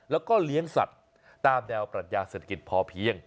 แล้วก็เลี้ยงสัตว์ตามแนวปรัชญาเศรษฐกิจพอเพียง